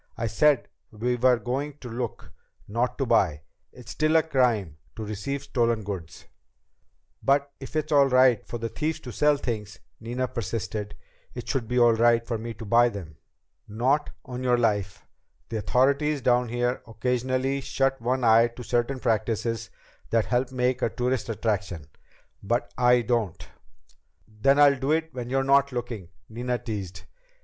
"I said we were going to look, not to buy. It's still a crime to receive stolen goods." "But if it's all right for the thieves to sell things," Nina persisted, "it should be all right for me to buy them." "Not on your life! The authorities down here occasionally shut one eye to certain practices that help make a tourist attraction. But I don't!" "Then I'll do it when you're not looking," Nina teased.